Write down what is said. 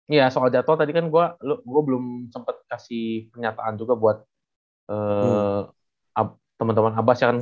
iya soal jadwal tadi kan gue belum sempet kasih pernyataan juga buat temen temen abbas